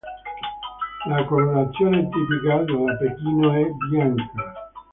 La colorazione tipica della Pechino è "bianca".